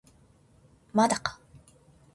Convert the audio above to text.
まだか